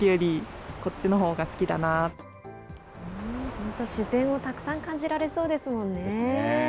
本当、自然をたくさん感じられそうですもんね。ですね。